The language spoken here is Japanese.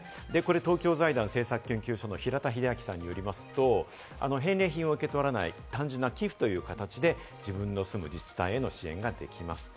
東京財団政策研究所の平田英明さんによりますと、返礼品を受け取らない、単純な寄付という形で自分の住む自治体への支援ができますと。